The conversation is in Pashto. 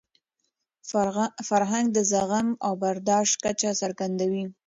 فرهنګ د زغم او برداشت کچه څرګندوي.